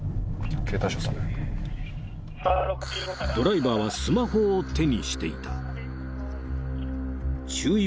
ドライバーはスマホを手にしていた注意